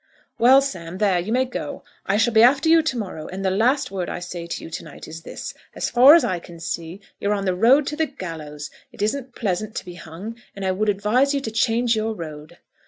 "Well, Sam, there; you may go. I shall be after you to morrow, and the last word I say to you, to night, is this; as far as I can see, you're on the road to the gallows. It isn't pleasant to be hung, and I would advise you to change your road."